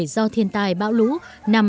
do thiên tài bão lũ năm hai nghìn một mươi tám